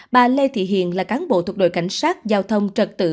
bà lê thị hiền là cán bộ thuộc đội cảnh sát giao thông trật tự